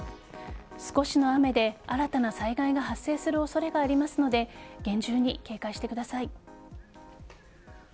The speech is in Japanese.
少しの雨で新たな災害が発生する恐れがありますので厳重に警戒してください。